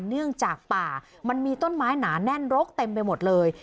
เนื่องจากป่ามันมีต้นไม้หนาแน่นรกเต็มไปหมดเลย